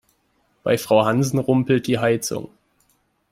Bei Frau Hansen rumpelt die Heizung.